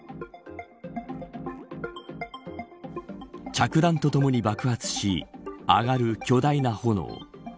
着弾とともに爆発し上がる巨大な炎。